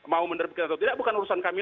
mau menerbitkan atau tidak bukan urusan kami